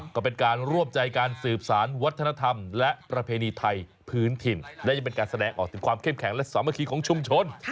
ก็เป็นการร่วมใจการสืบสารวัฒนธรรมและประเพณีไทยพื้นถิ่นและยังเป็นการแสดงออกถึงความเข้มแข็งและสามัคคีของชุมชน